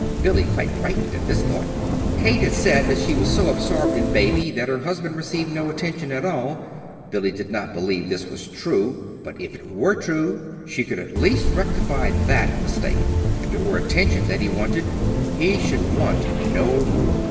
(Billy quite brightened at this thought.) Kate had said that she was so absorbed in Baby that her husband received no attention at all. Billy did not believe this was true; but if it were true, she could at least rectify that mistake. If it were attention that he wanted he should want no more.